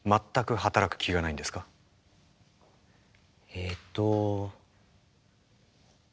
えっと。